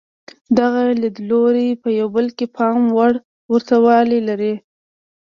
دغه لیدلوري په یو بل کې پام وړ ورته والی لري.